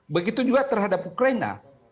begitu juga terhadap ukraina